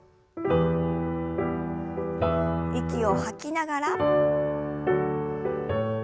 息を吐きながら。